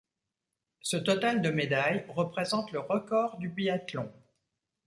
Ce total de médailles représente le record du biathlon.